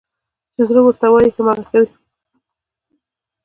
چې زړه ورته وايي، هماغه کوي.